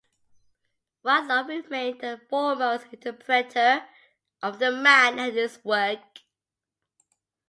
Whitelaw remained the foremost interpreter of the man and his work.